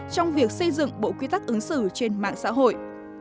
trong việc xây dựng bộ quy tắc ứng xử trên mạng xã hội